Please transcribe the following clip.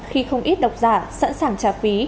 khi không ít đọc giả sẵn sàng trả phí